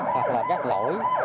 hoặc là các lỗi